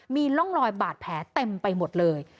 มีร่องรอยบาดแผลเต็มไปหมดเลย